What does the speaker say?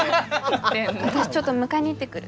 私ちょっと迎えに行ってくる。